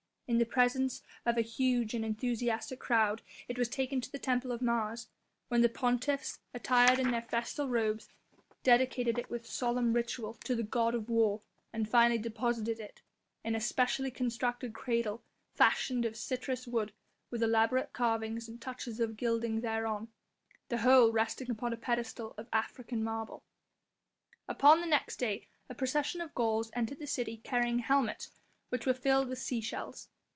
In the presence of a huge and enthusiastic crowd it was taken to the temple of Mars, where the pontiffs, attired in their festal robes, dedicated it with solemn ritual to the god of war and finally deposited it in a specially constructed cradle fashioned of citrus wood with elaborate carvings and touches of gilding thereon; the whole resting upon a pedestal of African marble. Upon the next day a procession of Gauls entered the city carrying helmets which were filled with sea shells.